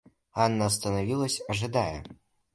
Анна остановилась, ожидая.